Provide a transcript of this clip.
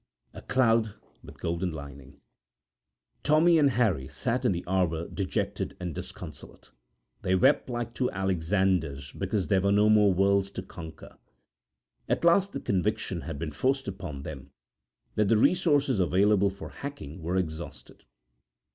A Cloud with Golden Lining[edit] Tommy and Harry sat in the arbour dejected and disconsolate. They wept like two Alexanders because there were no more worlds to conquer. At last the conviction had been forced upon them that the resources available for hacking were exhausted.